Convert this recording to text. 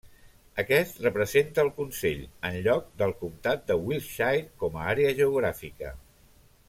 Aquest representa al consell, en lloc del comtat de Wiltshire com a àrea geogràfica.